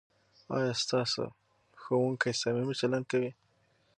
ایا ستا ښوونکی صمیمي چلند کوي؟